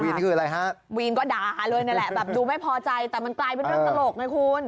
นี่คืออะไรฮะวีนก็ด่าเลยนั่นแหละแบบดูไม่พอใจแต่มันกลายเป็นเรื่องตลกไงคุณ